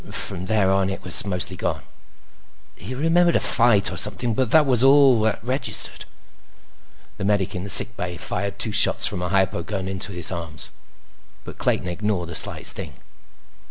From there on, it was mostly gone. He remembered a fight or something, but that was all that registered. The medic in the sick bay fired two shots from a hypo gun into both arms, but Clayton ignored the slight sting.